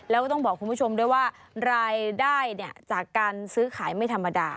แล้วก็ต้องบอกคุณผู้ชมด้วยว่ารายได้จากการซื้อขายไม่ธรรมดา